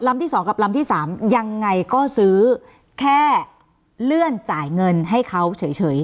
ที่๒กับลำที่๓ยังไงก็ซื้อแค่เลื่อนจ่ายเงินให้เขาเฉย